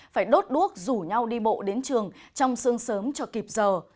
phải đốt đuốc rủ nhau đi bộ đến trường trong sương sớm cho kịp giờ